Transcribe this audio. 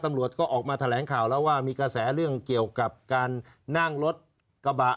ตำรวจก็ออกมาแถลงข่าวแล้วว่ามีกระแสเรื่องเกี่ยวกับการนั่งรถกระบะ